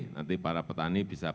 nanti para petani petani bisa mencari